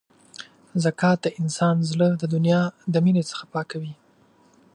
زکات د انسان زړه د دنیا د مینې څخه پاکوي.